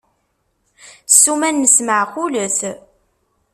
Ssuma-nnes meɛqulet.